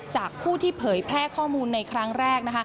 จากผู้ที่เผยแพร่ข้อมูลในครั้งแรกนะคะ